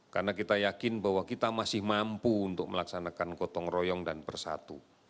karena kita yakin bahwa kita masih mampu untuk melaksanakan kotong royong dan bersatu